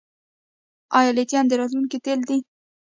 آیا لیتیم د راتلونکي تیل دي؟